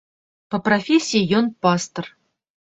Па прафесіі ён пастар.